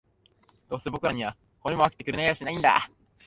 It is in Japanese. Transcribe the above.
どうせ僕らには、骨も分けてくれやしないんだ